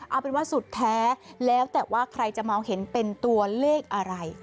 เอาเป็นว่าสุดแท้แล้วแต่ว่าใครจะมองเห็นเป็นตัวเลขอะไร